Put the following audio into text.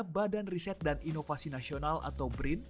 badan riset dan inovasi nasional atau brin